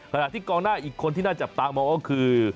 ขณะที่กองหน้าอีกคนที่น่าจับตามองก็คือ